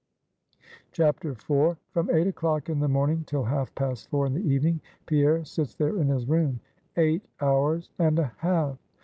IV. From eight o'clock in the morning till half past four in the evening, Pierre sits there in his room; eight hours and a half!